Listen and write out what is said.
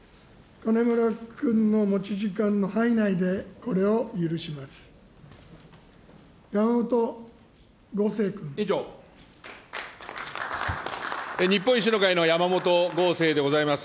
金村君の持ち時間の範囲内でこれを許します。